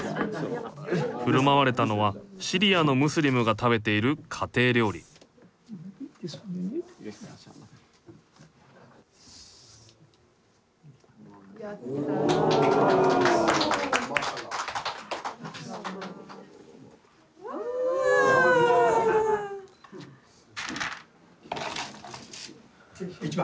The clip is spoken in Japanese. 振る舞われたのはシリアのムスリムが食べている家庭料理１番。